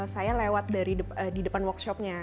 saya lewat di depan workshopnya